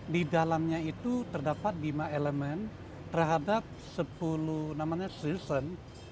di dalamnya itu terdapat lima elemen terhadap sepuluh namanya season